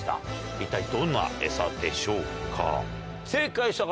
一体どんなエサでしょうか？